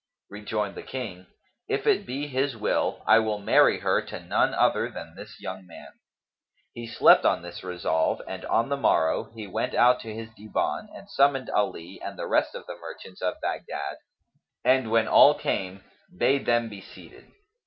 Rejoined the King, "If it be His will, I will marry her to none other than this young man." He slept on this resolve and on the morrow, he went out to his Divan and summoned Ali and the rest of the merchants of Baghdad, and when all came bade them be seated.